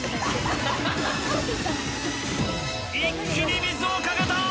一気に水をかけたー！